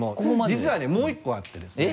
実はねもう１個あってですね。